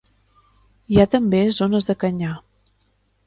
Hi ha també zones de canyar.